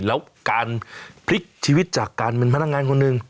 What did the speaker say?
แล้วการพลิกชีวิตจากการเป็นพนักงานคนหนึ่ง